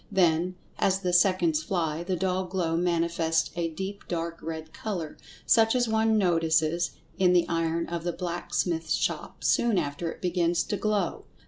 Then, as the seconds fly, the dull glow manifests a deep dark red color, such as one notices in the iron of the blacksmith's shop, soon after it begins to "glow."